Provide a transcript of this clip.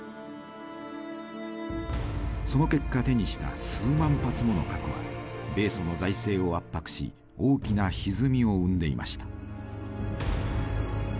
その結果手にした数万発もの核は米ソの財政を圧迫し大きなひずみを生んでいました。